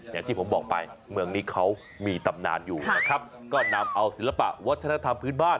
อย่างที่ผมบอกไปเมืองนี้เขามีตำนานอยู่นะครับก็นำเอาศิลปะวัฒนธรรมพื้นบ้าน